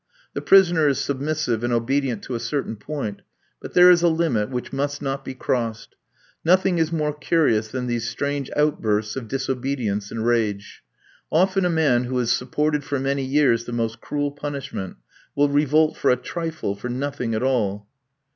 The prisoner is submissive and obedient to a certain point, but there is a limit which must not be crossed. Nothing is more curious than these strange outbursts of disobedience and rage. Often a man who has supported for many years the most cruel punishment, will revolt for a trifle, for nothing at all.